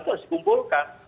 itu harus dikumpulkan